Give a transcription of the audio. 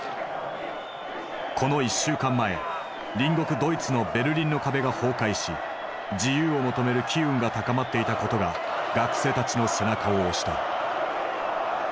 この１週間前隣国ドイツのベルリンの壁が崩壊し自由を求める機運が高まっていたことが学生たちの背中を押した。